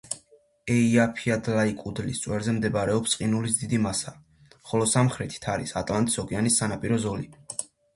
ეიაფიადლაიეკუდლის წვერზე მდებარეობს ყინულის დიდი მასა, ხოლო სამხრეთით არის ატლანტის ოკეანის სანაპირო ზოლი.